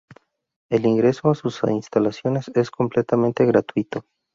El ingreso a sus instalaciones es completamente gratuito.